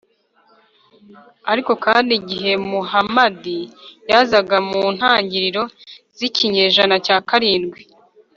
ariko kandi igihe muhamadi yazaga mu ntangiriro z’ikinyejana cya karindwi